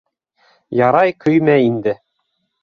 — Ярай көймә инде.